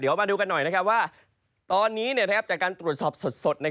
เดี๋ยวมาดูกันหน่อยว่าตอนนี้จากการตรวจสอบสด